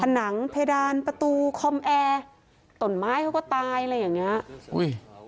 หนังเพดานประตูคอมแอร์ตนไม้เขาก็ตายอะไรอย่างเงี้ยอุ้ย